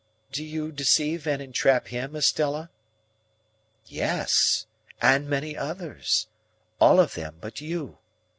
"Do you deceive and entrap him, Estella?" "Yes, and many others,—all of them but you.